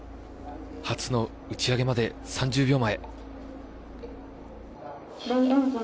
初の打ち上げまで３０秒前。